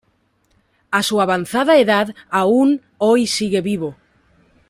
A su avanzada edad aún hoy sigue activo.